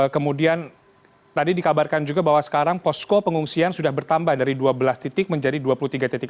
kemudian tadi dikabarkan juga bahwa sekarang posko pengungsian sudah bertambah dari dua belas titik menjadi dua puluh tiga titik